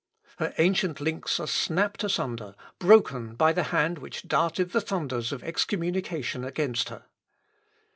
Her ancient links are snapt asunder, broken by the hand which darted the thunders of excommunication against her."